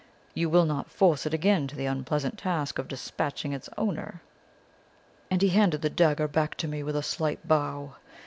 You will not force it again to the unpleasant task of despatching its owner.' "And he handed the dagger back to me with a slight bow.